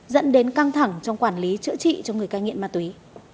dẫn đến căng thẳng trong quản lý chữa trị cho người cai nghiện ma túy